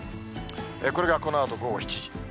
これがこのあと午後７時。